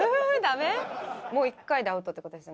もう１回でアウトってことですよ